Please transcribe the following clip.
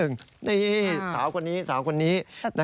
นี่สาวคนนี้สาวคนนี้